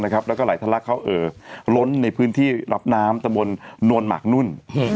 แล้วก็ไหลทะลักเข้าล้นในพื้นที่รับน้ำตะบนนวลหมากนุ่น